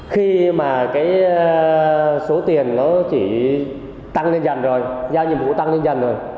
khi mà cái số tiền nó chỉ tăng lên dần rồi giao nhiệm vụ tăng lên dần rồi